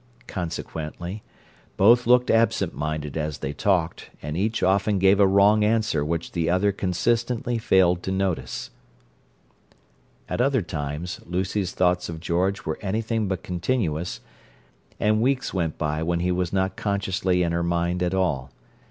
Consequently, both looked absent minded as they talked, and each often gave a wrong answer which the other consistently failed to notice. At other times Lucy's thoughts of George were anything but continuous, and weeks went by when he was not consciously in her mind at all.